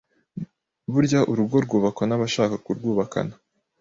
burya urugo rwubakwa n’abashaka kurwubakana.